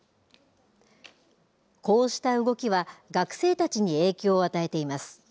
こうした動きは学生たちに影響を与えています。